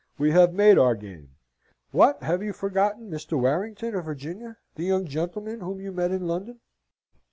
"We have made our game. What, have you forgotten Mr. Warrington of Virginia the young gentleman whom you met in London?"